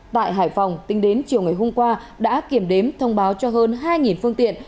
tại hải phòng tính đến chiều ngày hôm qua đã kiểm đếm thông báo cho hơn hai phương tiện